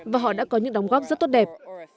và họ đã có những đóng góp rất tốt đẹp